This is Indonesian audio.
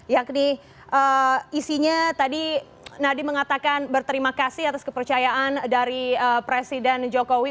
yakni isinya tadi nadiem mengatakan berterima kasih atas kepercayaan dari presiden jokowi